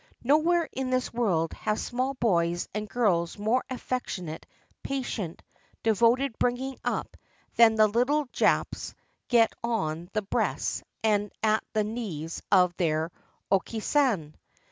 Nowhere in this world have small boys and girls more affection ate, patient, devoted bringing up than the little Japs get on the breasts and at the knees of their okkdsan.